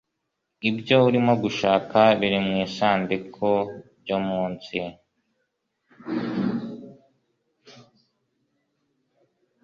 ibyo urimo gushaka biri mubisanduku byo munsi